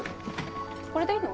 これでいいの？